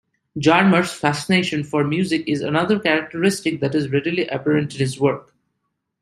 Jarmusch's fascination for music is another characteristic that is readily apparent in his work.